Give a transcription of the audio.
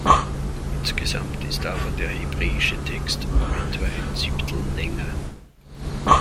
Insgesamt ist aber der hebräische Text um etwa ein Siebtel länger.